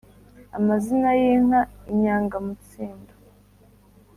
Amazina y'inka Inyangamutsindo